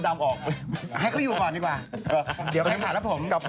อันนั้นก็สนุกมากมีมีคนชอบเธอ